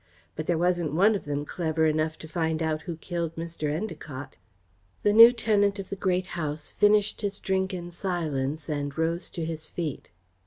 But there wasn't one of them clever enough to find out who killed Mr. Endacott." The new tenant of the Great House finished his drink in silence and rose to his feet.